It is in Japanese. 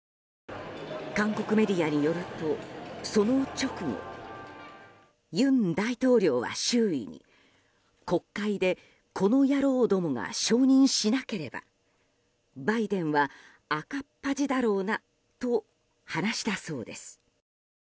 韓国メディアによると、その直後尹大統領は周囲に国会でこの野郎どもが承認しなければバイデンは赤っ恥だろうなと話したそうです。